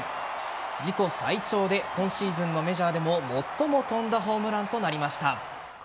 自己最長で今シーズンのメジャーでも最も飛んだホームランとなりました。